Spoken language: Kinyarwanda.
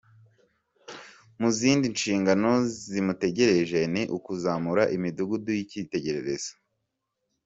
Mu zindi nshingano zimutegereje ni ukuzamura imidugudu y’icyitegererezo,.